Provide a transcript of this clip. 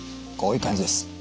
こういう感じです。